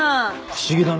不思議だな。